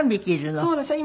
そうです。